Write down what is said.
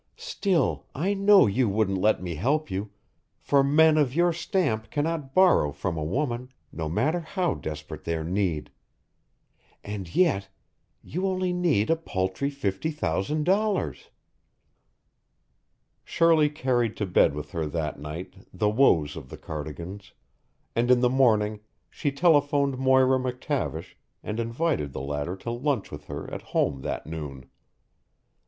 Still, I know you wouldn't let me help you, for men of your stamp cannot borrow from a woman, no matter how desperate their need. And yet you only need a paltry fifty thousand dollars!" Shirley carried to bed with her that night the woes of the Cardigans, and in the morning she telephoned Moira McTavish and invited the latter to lunch with her at home that noon.